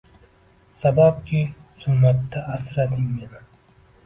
Sababki, zulmatda asrading meni.